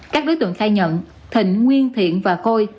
các đối tượng khai nhận thịnh nguyên thiện và khôi